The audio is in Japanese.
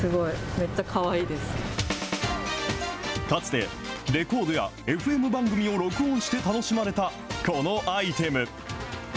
かつて、レコードやＦＭ番組を録音して楽しまれた、このアイテム。